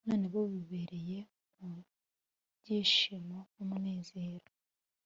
none bo bibereye mu byishimo n’umunezero,